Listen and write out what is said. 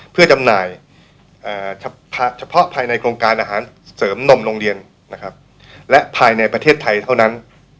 เพื่อจำหน่ายเฉพาะภายในโครงการอาหารเสริมนมโรงเรียนนะครับและภายในประเทศไทยเท่านั้น